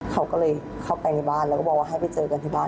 เขาก็เลยเข้าไปในบ้านแล้วก็บอกว่าให้ไปเจอกันที่บ้าน